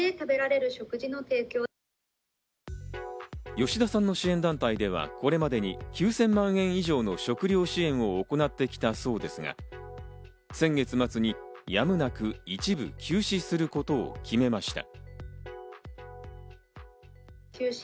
吉田さんの支援団体では、これまでに９０００万円以上の食料支援を行ってきたそうですが、先月末にやむなく一部休止することを決めました。